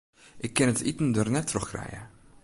Ik kin it iten der net troch krije.